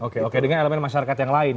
oke oke dengan elemen masyarakat yang lain